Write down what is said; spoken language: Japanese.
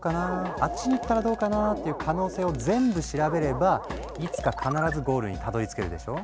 あっちに行ったらどうかな？っていう可能性を全部調べればいつか必ずゴールにたどりつけるでしょ？